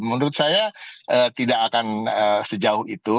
menurut saya tidak akan sejauh itu